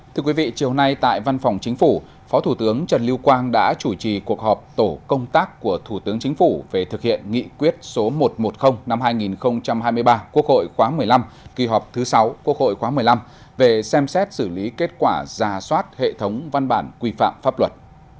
thưa quý vị chiều nay tại văn phòng chính phủ phó thủ tướng trần lưu quang đã chủ trì cuộc họp tổ công tác của thủ tướng chính phủ về thực hiện nghị quyết số một trăm một mươi năm hai nghìn hai mươi ba quốc hội khóa một mươi năm kỳ họp thứ sáu quốc hội khóa một mươi năm về xem xét xử lý kết quả giả soát hệ thống văn bản quy phạm pháp luật